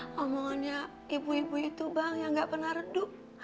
ngomongnya ibu ibu itu bang yang gak pernah redup